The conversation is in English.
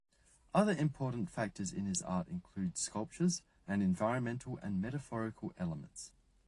Other important factors in his art include sculptures, and environmental and metaphorical elements.